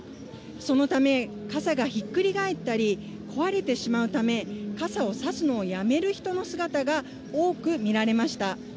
そのため、傘がひっくり返ったり、壊れてしまうため、傘を差すのをやめる人の姿が多く見られました。